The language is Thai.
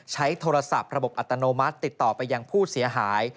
ใช้โทรศัพท์ระบบอัตโนมัติติดต่อไปยังผู้เสียหาย